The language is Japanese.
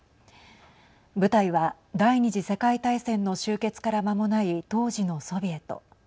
舞台は、第２次世界大戦の終結からまもない当時のソビエト。